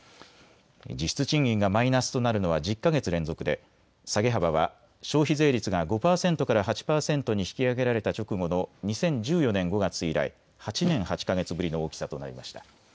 実質賃金がマイナスとなるのは１０か月連続で下げ幅は消費税率が５％から８％に引き上げられた直後の２０１４年５月以来、８年８か月ぶりの大きさとなりました。